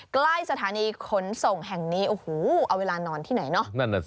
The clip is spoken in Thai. ใกล้สถานีขนส่งแห่งนี้โอ้โหเอาเวลานอนที่ไหนเนอะ